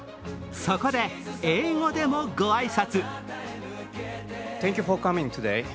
そこで英語でもご挨拶。